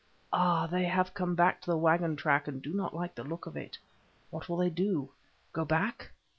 Ah, they have come to the waggon track and do not like the look of it. What will they do?—go back?